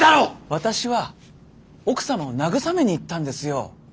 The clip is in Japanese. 私は奥様を慰めに行ったんですよ。